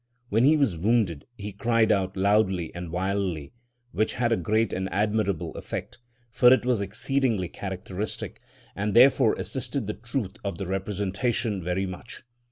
When he was wounded he cried out loudly and wildly, which had a great and admirable effect, for it was exceedingly characteristic and therefore assisted the truth of the representation very much.